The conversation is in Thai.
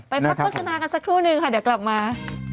ไปพักโภยสนากันสักทุ่นึงค่ะเดี๋ยวกลับมา